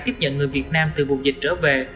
tiếp nhận người việt nam từ vùng dịch trở về